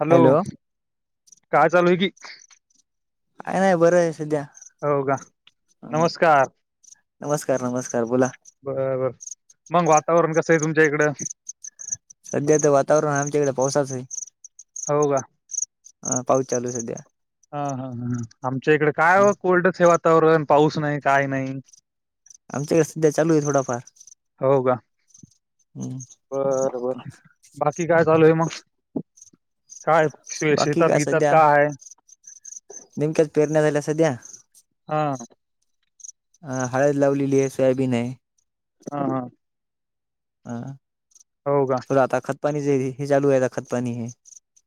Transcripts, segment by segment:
Hello!... काय चालू आहे की काय नाही बरं आहे सध्या हो, का अ नमस्कार नमस्कार नमस्कार बोला बर... मग वातावरण कसं आहे तुमच्या इकडं सध्या तर वातावरण आमच्याकडे पावसाच आहे. हो... का? हा.. पाऊस चालू आहे सध्या हा.. हा. ह आमच्या इकडे काय कोल्ड हे वातावरण पाऊस नाही काय नाही. आमच्याकडे सध्या चालू आहे थोडाफार हो.. का हम्म बर.. बर बाकी काय चालू आहे मग... काय? शे- बाकी शेतात काय गीतात सध्या.. काय आहे? नेमक्याच पेरण्या झाल्या सध्या हा... हृ ह हळद लावलेली आहे सोयाबीन आहे हा हा हा हो.. का आता खतपाणी हे चालू आहेता खतपाणी हे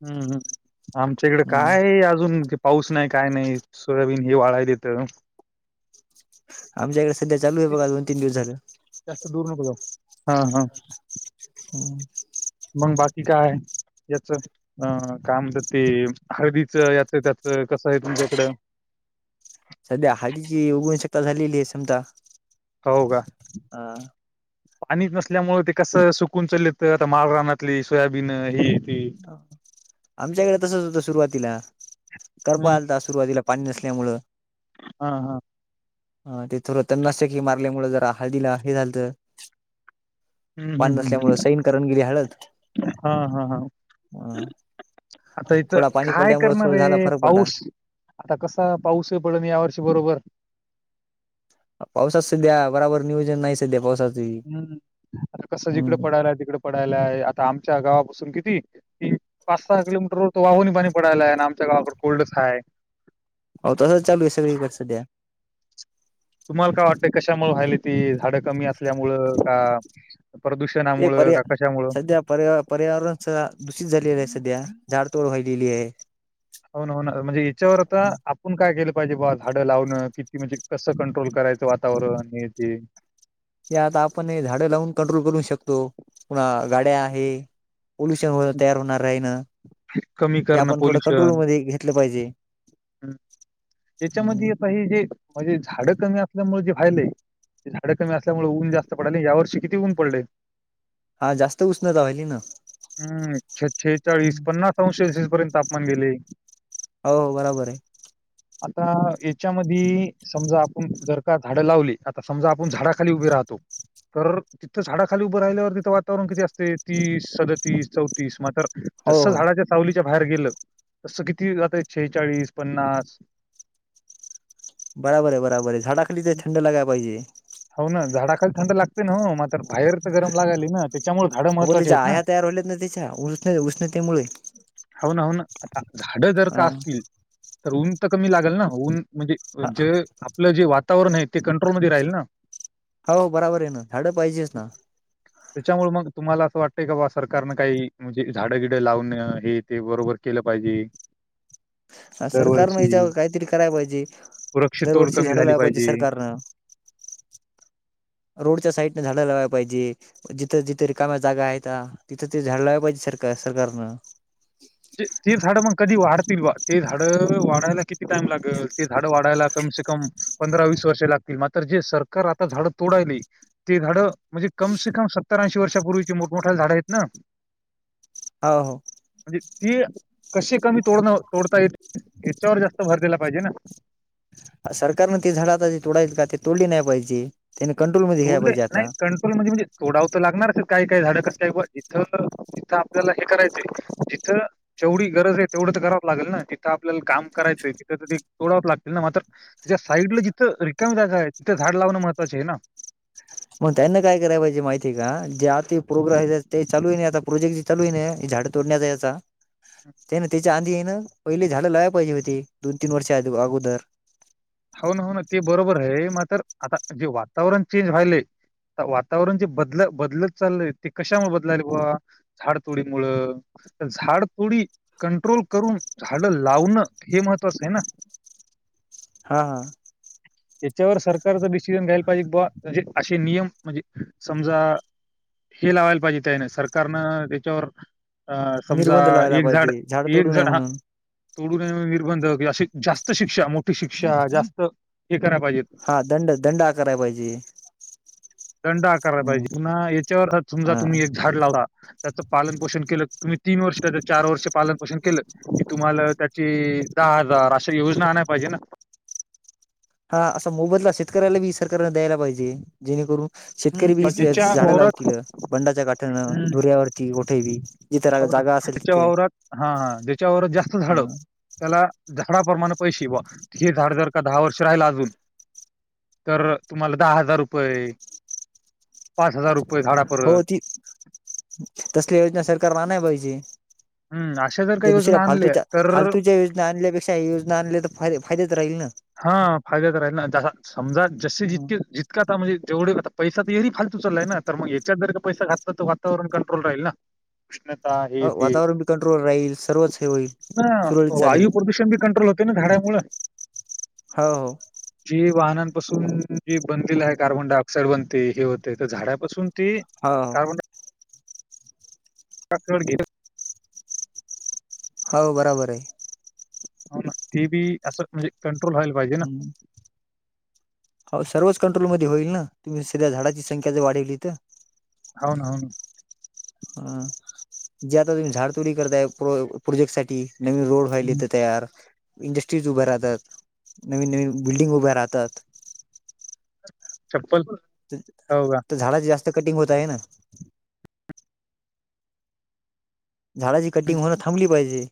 हम्म.. हम आमच्याकडे हम्म काय आहे अजून पाऊस नाही काय नाही... सोयाबीन हे वाळायलेत. आमच्या इकडे सध्या चालू आहे बघा दोन तीन दिवस झालं. जास्त दूर नक जा हा हा हम्म मग बाकी काय आहे याच अ काय म्हणतात ते हळदीचं याच त्याच कसं आहे तुमच्या इकडं सध्या हाडीची उगण शकता झालेली आहे समता हो का? अ पाणीच नसल्यामुळे ते कसं सुकून चालत आता माळ रानातली सोयाबीन ही ती आमच्याकडे तसच होतं सुरुवातीला कपा हम्म आला तर सुरुवातीला पाणी नसल्यामुळ हा हा तेथो त्यां नशकी मारल्यामुळ जर आह दिला हे झालं तर हम्म पान हम्म हम्म नसल्यामुं हम्म सैन करून गेली हळत हा हा हा आता इथ थोडा पाणी काय पडल्यामुळे थोडा करणार झाला आहे फरक पडला पाऊस आता कसा पाऊस पडल ना या वर्षी बरोबर पावसात सध्या बराबर नियोजन नाही सध्या पावसात हम्म आता कसं जिकडं पडायलाय तिकड पडायलाय आता आमच्या गावापासून किती की पाच सहा किलोमीटर वर वाहूननी पाणी पडायला आहे आणि आमच्या गाळाक कोल्डच आहे हो तसंच चालू आहे सगळीकडे स द्या तुम्हाला काय वाटतंय कशामु व्हायले ती झाडं कमी असल्यामुळ का प्रदूषणामुं का कशामुं ्या परर पर्यावरण स दूषित झालेलं आहे सध्या झाडतोड व्हालेली आहे होनन म्हणजे हचच्या वारता पण काय केलं पाहिजे बा झाडं लावणं किती म्हणजे कसं कंट्रोल करायचं वातावरण ते या आता आपण हे झाडं लावून कंट्रोल करू शकतो पुन्हा गाड्या आहे पॉोल्युशन तयार होणार राही ना कमी ते करणं आपण थोडं कंट्रोल मध्ये घेतलं पाहिजे हम् याच्यामध्ये आता हे जे म्हणजे झाड कमी असल्यामुळे जे वयलंय झाडं कमी असल्यामुळे ऊन जास्त पडय या वर्षी किती ऊन पडले हा जास्त उष्णता व्हाहिली ना हम् छछेचाळीस पन्नास अंश सेल्सिअस पर्यंत तापमान गेले हो बरोबर आहे आता याच्यामध्ये समजा आपण जर का झाडं लावली आता समजा आपण झाडाखाली उभे राहतो तर तिथं झाडा खाली उभं राहिल्यावर तिथं वातावरण किती असते ती सदत तीस चौतीस मग हो जस हो झाडाच्या सावलीच्या बाहेर गेलं तस किती जातय शेचाळीस पन्नास बराबर आहे बराबर आहे झाडाखाली ते थंड लागाला पाहिजे हो ना झाडाखाली थंड लागते ना हो मात्र बाहेर तर गरम लागाली ना त्याच्यामुळे झाडं महत्वाची आहेत ना त्या उष्ण उष्णतेमुळे हो ना हो ना आता झाडं जर का असतील तर ऊन तर कमी लागल ना ऊन म्हणजे जे आपलं जे वातावरण आहे ते कंट्रोलमध्ये राहील ना हो बराबर आहे ना झाडं पाहिजेच ना त्याच्यामुळ मग तुम्हाला असं वाटतय का बा सरकारन काही म्हणजे झाडंगिड लावून हे ते बरोबर केलं पाहिजे. हा सरकारनं दरवर्षी याच्यावर काहीतरी करायला पाहिजे वृक्षतोड दरवर्षी कमी झाली झाडंलायला पाहिजे सरकारनं रोडच्या साईडने झाड लावाय पाहिजे जिथं जिथे कामा जागा आहेत तिथं त झाड ला पाहिजे सरकार सरकारनं ते झाड मग कधी वाढतील बा ते झाड वाढायला किती टाइम लागेल ते झाड वाढायला कमसे कम पंधरा वीस वर्ष लागतील मात्र जे सरकार आता झाडं तोडायले ते झाडं म्हणजे कमसे कम सत्तरऐंशी वर्षापूर्वीची मोठमोठ्या झाडं आहेत ना हो हो म्हणजे ते कशे कमी तोडण तोडता येत याच्यावर जास्त भर दिला पाहिजे ना. सरकारने ते झाडाता जे तोडायच का ते तोडली नाही पाहिजे त्याने कंट्रोलमध्ये घ्यायला पाहिजे आता. कंट्रोलमध्ये म्हणेजे तोडाव तर लागणारच काही काही झाड कसल्या ही ब जिथ जिथं आपल्याला हे करायचंय जिथं जेवढी गरज आहे तेवढं तर करावं लागल ना तिथं आपल्याला काम करायचंय तिथं त ते तोडाव लागतील ना मात्र त्याच्या साईड ला जिथं रिकामी जागा आहे तिथं झाड लावणं महत्वाचं आहे ना मग त्यांना काय कराय पाहिजे माहिती का जे आता प्रोग्रा ते चालू आहे ना आता प्रोजेक्ट चालूय ना हे झाडं तोडण्याचा ह्याचा. त्यामुळे त्याच्या आधी हाय ना पहिले झाड लावाय पाहिजे होती दोन तीन वर्ष अगोदर. हाव ना हाव ना ते बरोबर आहे मात्र आता जे वातावरण चेंज व्हालेय वातावरण जे बदल बदलत चाललंय ते कशामुळ बदलालय बुवा? झाड तोडी मुळं झाड थोडी कंट्रोल करून झाड लावणं हे महत्वाचं आहे ना. हा हा! हेच्यावर सरकारचा डिसिजन घ्यायला पाहिजे बावा म्हणजे असे नियम म्हणजे समजा हे लावायला पाहिजे त्यायन सरकारनं त्याच्यावर अ समजा निर्बंध लावायला एक झाड पाहिजे एक तोडू नये झाड हा म्हणून तोडू नये म्हणून निर्बंध कि अशी जास्त शिक्षा मोठी शिक्षा जास्त हे कराय पाहिजेत. हा दंड दंड आकाराय पाहिजे. दंड आकारय हम्म पाहिजे पुन्हा याच्यावर अ समजा हा तुम्ही एक झाड लावला त्याचं पालन, पोषण केलं तुम्ही तीन वर्ष नाय तर चार वर्ष पालन पोषण केलं की तुम्हाला त्याचे दहा हजार अशा योजना आणाय पाहिजे ना. हा असा मोबदला शेतकऱ्याला बी सरकारन द्यायला पाहिजे. जेणेकरून हम्म, शेतकरी बी किंवा ज्याच्या झाडं वावरात लावतील बंडाच्या काठानं हम्म, धुऱ्यावर ती मोठी बी जिथे हो ना जागा असेल ज्याच्या तिथे वावरात हा ज्याच्या वावरात जास्त झाड त्याला झाडाप्रमाण पैसे बुवा हे झाड जर का दहा वर्ष राहिल अजून तर तुम्हाला दहा हजार रुपये, पाच हजार रुपये झाडा हो परत ती तसल्या योजना सरकारन आणाय पाहिजे. हम्म अशा जर त्या काही दुसऱ्या योजना आणल्या फालतूच्या तर फालतूच्या योजना आणल्यापेक्षा ह्या योजना आणल्या तर फा फायद्यात राहील ना. हा फायद्यात राहील ना समजा जशी जितक जी का आता म्हणजे जेढता पैसा फालतू चालाय ना तर मग याच्यात जर का पैसा घातला तर वातावरण कंट्रोल राहील ना. उष्णता हे ते, वातावरण बी कंट्रोल राहील सर्वच हे होईल. हा सुरळीत चालेल वायू प्रदूषण बी कंट्रोल होत त ना झाडामुळ. हो! जी वाहनांपासून जी बनलेल आहे कार्बन डाय ऑक्साइड बनते हे होते तर झाडापासून ते हो कार्बन डाय घेत हाव बराबर आहे. होंना तेबी असं म्हणजे कंट्रोल व्हाला [unintelligible] हो सर्वच कंट्रोल मध्ये होईल ना तुम्ही सीधा झाडाची संख्या ज वाढवली त. हाव ना हाव ना! ह जे आता तुम्ही झाड तोडी करताय प्रोजेक्ट साठी नवीन रोड हं. व्हायलेत तयार इंडस्ट्रीज उभ राहतात, नवीन नवीन बिल्डिंग उभ्या राहतात. चप्पल हो का? तर झाडाची जास्त कटिंग होत आहे नां. झाडाची कटिंग होण थांबली पाहिजे.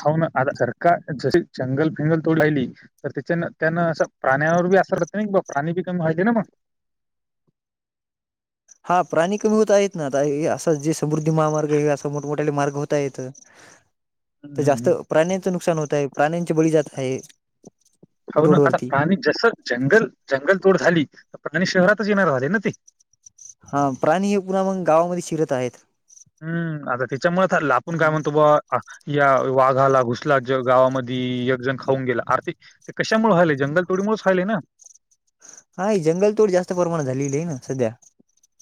हौंना आता सरकार जशी जंगल फिंगल तोडी राहिली. तर त्याच्यांन त्यान असं प्राण्यावर बी असर होतेयं नीबां प्राणी बी कमी व्हायलेना मग. हां प्राणी कमी होत आहेत नां आता असा जे समृद्धी महामार्ग हे असा मोठमठ्यांले मार्ग होत आहेत. हं, तर हं, जास्त हं. प्राण्यांचं नुकसान होत आहे प्राण्यांचे बळी जात आहेत. हौ नां आता प्राणी जसं जंगल जंगल तोड झाली तर प्राणी शहरातच येणार जाणार नां ते. हां प्राणी हे पुन्हा मगं गावांमध्ये शिरत आहेत. हुं आता तीच्यामुळे आपण काय म्हणतो बुवा आं या वाघाला घुसला ज गावामध्ये, एक जण खाऊन गेला आर ते ते कशामुळे व्हालय, जंगल तोडीमुळेंच व्हालय नां! हा ही जंगल तोड जास्त प्रमाणात झालेली ना सध्या.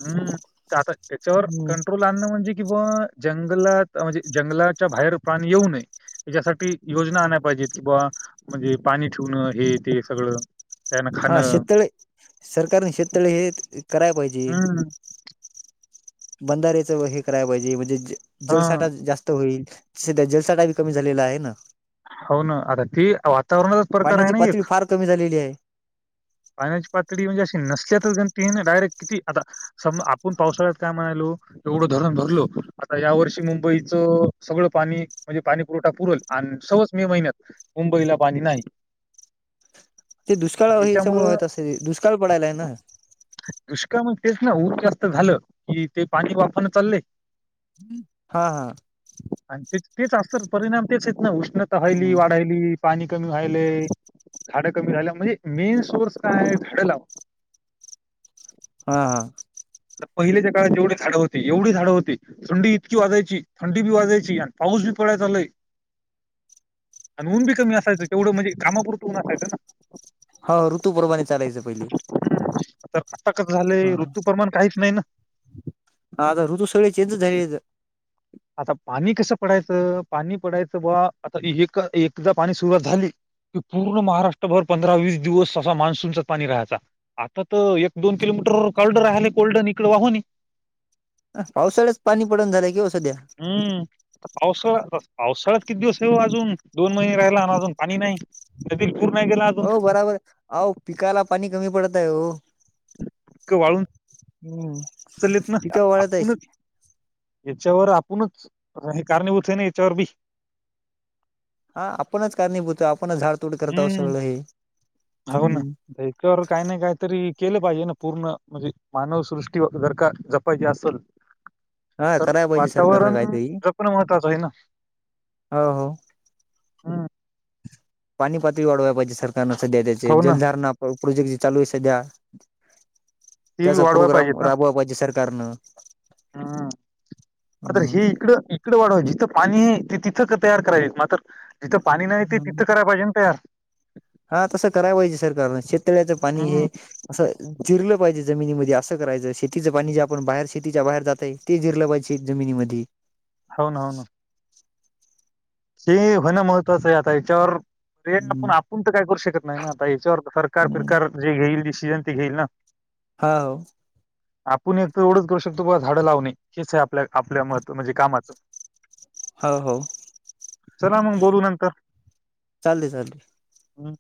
हम्म, का ते आता त्याच्यावर हम्म. कंट्रोल प्लाननं म्हणजे की बवा, जंगलात म्हणजे जंगलाच्या बाहेर प्राणी येऊ नये. हेज्यासाठी योजना आणाय पाहिजेत कि बवा, म्हणजे पाणी ठेवणं हे ते सगळं. त्यानं हां खाणं. शेततळे, सरकारने शेततळे हे करायं पाहिजे. हं, बंधारेच व हे करायला पाहिजे, म्हणजे ज हां. जलसाठा जास्त होईल. सध्या जलसाठा बी कमी झालेला आहे नां. हो ना, आता ती वातावरणाचाच प्रकार आहे पाण्याची नां पातळी एक? फार कमी झालेली आहे. पाण्याची पातळी म्हणजे अशी नसत्यातच गनति हाय ना, डायरेक्ट ती आता सम आपूण पावसाळ्यात काय म्हणालो? एवढं धरण भरलं, आता या वर्षी मुंबईचं सगळं पाणी म्हणजे पाणी पुरवठा पुरल, आणि सवज मे महिन्यात मुंबईला पाणी नाही. ते दुष्काळं हेच्यामुळे त्याच्यामुळं होत असत ते, दुष्काळ पडायलायं नां दुष्काळ मग तेच नां, ऊन जास्त झालं, कि ते पाणी वाफानं चाललंय. हा हा आणि तेच् तेच आज तर परिणाम तेच आहेतं नां, उष्णता व्हायली, हम्म. वाढायली. पाणी कमी व्हालंय, झाडं कमी झाल्या, म्हणजे मेन सोर्स कायं झाडं लाव- हा हा आता पहिल्यांच्या काळात जेवढी झाडं होती एवढी झाडं होती थंडी इतकी वाजायची, थंडी बी वाजायची आणि पाऊस बी पडायचा लय. [inaudible] आणि ऊन बी कमी असयचं, तेवढं म्हणजे कामापुरतं ऊन असायचं ना. हो ऋतु प्रमाणे चालायचं पहिले, हा. त्यामानाने काहीच नाही नां. हा आता ऋतू सगळी चेंजच झालेत. आता पाणी कसं पडायचं, पाणी पडायचं बा आता हे एक एकदा पाणी सुरुवात झाली कि पूर्ण महाराष्ट्रभर पंधरा वीस दिवस असा मान्सूनचा पाणी राहायचा. आ ता तर एक दोन किलोमीटर कोल्ड हा. राहिले कोल्डनं इकडे वाहूनी आस पावसाळ्याचं पाणी पडन झालंय कि ओ सध्या. हम्म आता पावसाळा, पावसाळाच किती दिवस आहे ओ अजून? दोन महिने राहिला आणि अजून पाणी नाही. नदीत पूर नाही गेला अजून हो बराबर, आओ पिकाला पाणी कमी पडतंय हो. क वाळून. हम्म. चालेत ना, पिकं आ वाळत आहे. आपूनच याच्यावर आपूणच, र हे कारणीभूत आहे ना याच्यावर बी. हा आपणच कारणीभूत हाव, आपणच झाड तोड करत होव सगळे, हम्म. त हेच्यावर काही ना काही तरी केलं पाहिजे ना, पूर्ण म्हणजे मानवसृष्टी वर जर का जपायचीे असेल. हा तर कराय पाहिजे सरकारने वातावरण काहीतरी, जपणं महत्वाचं आहे ना हो हो हम्म. पाणी पातळी वाढवाय पाहिजे सरकारनं सध्या त्याचे, हो ना जलधारणा प्रोजेक्ट जे चालू आहे सध्या. ती बी त्याचा वाढवायला पाहिजेत प्रोग्राम ना राबवा पाहिजे सरकारनं. तर हम्म. हे इकडं इ इकडं वाढवा जिथं पाणी आहे, ते तिथं तयार करावी मात्र जिथं पाणी नाही ते तिथं कराय पाहिजे ना तयार. हा तसं कराय पाहिजे सरकारनं, शेतळ्याचं पाणी हे हम्म. असं जिरलं पाहिजे जमिनीमध्ये असं करायचं, शेतीचं पाणी जे आपण बाहेर शेतीच्या बाहेर जातंय, ते जिरलं पाहिजे शेत जमिनीमधे. हो ना हो ना. हे होणं महत्वाचं आहे आता याच्यावर, प्रयत्न हम्म पण आपूण तर काय करू शकत नाही ना आता याच्यावर सर कार हम्म कार जे घेईल डिसीजन ते घेईल ना. हा हो. आपूण एक तर एवढंच करू शकतो बा झाडं लावणे हेच आहे आपल्या आपल्या महत्व म्हणजे कामाचं. आ हो. चला मग बोलू नंतर. चाले चाल. हम.